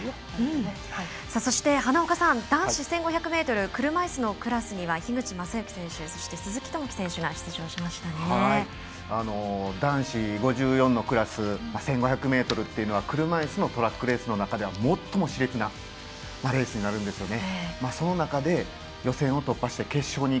そして花岡さん、男子１５００ｍ車いすのクラスは、樋口政幸選手男子５４のクラス１５００ｍというのは車いすのトラックレースの中では最もしれつなレースになるんですよね。